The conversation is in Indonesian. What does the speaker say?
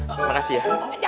oh makasih ya